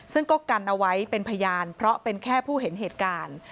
ซึ่งก็กันเอาไว้เป็นพยานเพราะเป็นแค่ผู้เห็นเหตุการณ์